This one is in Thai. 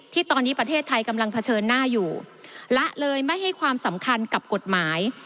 ที่ตอนนี้ประเทศไทยกำลังเผชิญหน้าอยู่ละเลยไม่ให้ความสำคัญกับกฎหมาย